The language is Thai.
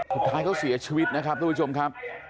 สุดท้ายเขาเสียชีวิตนะครับทุกผู้ชมครับ